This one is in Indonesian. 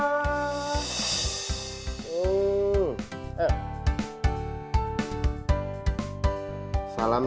salam samban tante fanny